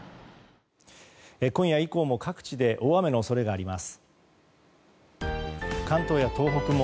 今夜以降も各地で大雨の恐れがあります。